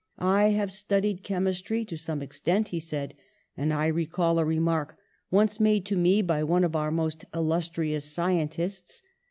'T have studied chemistry to some extent/' he said, ^'and I recall a remark once made to me by one of our most illustrious scientists.